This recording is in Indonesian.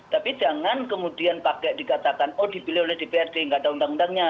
tapi jangan kemudian pakai dikatakan oh dipilih oleh dprd nggak ada undang undangnya